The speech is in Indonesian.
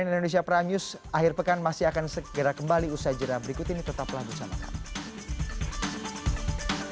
cnn indonesia prime news akhir pekan masih akan segera kembali usai jera berikut ini tetaplah bersama kami